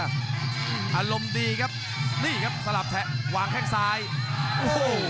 อย่าหลวนนะครับที่เตือนทางด้านยอดปรับศึกครับ